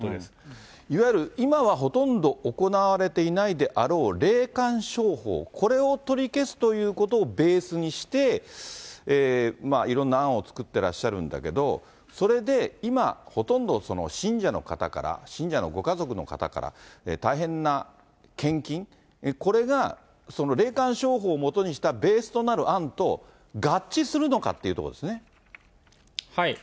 いわゆる、今はほとんど行われていないであろう、霊感商法、これを取り消すということをベースにして、いろんな案を作ってらっしゃるんだけど、それで今、ほとんど信者の方から、信者のご家族の方から、大変な献金、これが霊感商法をもとにしたベースとなる案と合致するのかっていそういうことです。